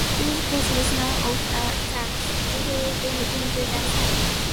These pushed snow off the tracks, deflecting it to the side.